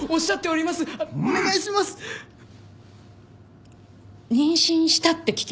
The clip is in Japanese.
妊娠したって聞きました。